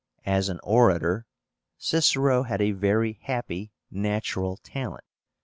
As an orator Cicero had a very happy natural talent.